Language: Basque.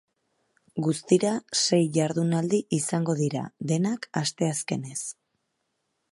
Guztira, sei jardunaldi izango dira, denak asteazkenez.